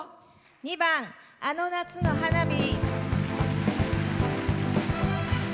２番「あの夏の花火」。